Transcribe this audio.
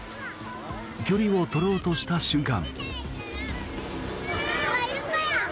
距離を取ろうとした瞬間。